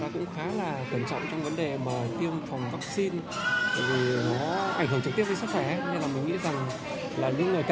các chuyên gia khuyên cáo